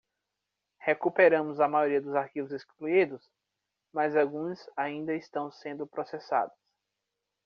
Recuperamos a maioria dos arquivos excluídos?, mas alguns ainda estão sendo processados.